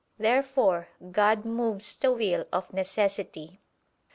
Therefore God moves the will of necessity.